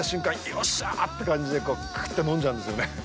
よっしゃーって感じでクーっと飲んじゃうんですよね。